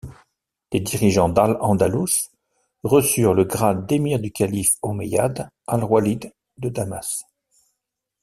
Les dirigeants d'Al-Andalus reçurent le grade d'émir du calife omeyyade Al-Walid de Damas.